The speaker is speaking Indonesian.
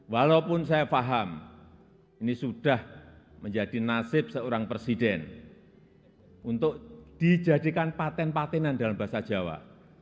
walaupun saya paham ini sudah menjadi nasib seorang presiden untuk dijadikan paten patenan dalam bahasa jawa